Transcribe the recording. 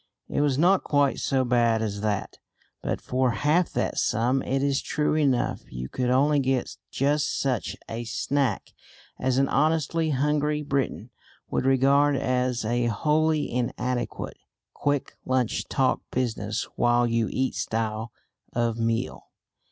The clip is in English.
It was not quite so bad as that, but for half that sum it is true enough you could only get just such a snack as an honestly hungry Briton would regard as a wholly inadequate quick lunch talk business while you eat style of meal.